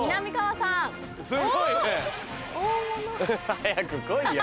早く来いよ。